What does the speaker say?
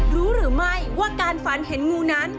รู้หรือไม่ว่าการฝันเห็นงูนั้น